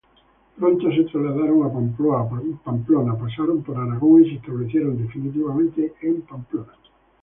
Pronto se trasladaron a Pamplona, pasaron por Aragón y se establecieron definitivamente en Pamplona.